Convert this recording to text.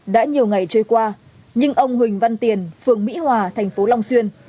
đã nhiều ngày trôi qua nhưng ông huỳnh văn tiền phường mỹ hòa thành phố long xuyên